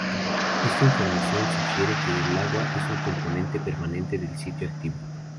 Esta información sugiere que el agua es un componente permanente del sitio activo.